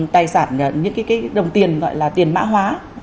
tài sản những cái đồng tiền gọi là tiền mã hóa